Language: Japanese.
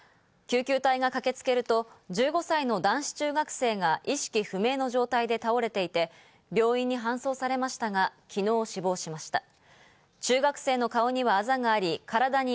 救急隊が駆けつけると、１５歳の男子中学生が意識不明の状態で倒れていて、病院に搬送されましたが昨日、死亡しました。